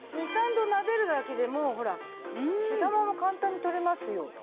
２３度なでるだけでもうほら毛玉も簡単に取れますよ。